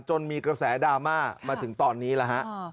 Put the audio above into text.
จนมีกระแสดราม่ามาถึงตอนนี้แล้วฮะ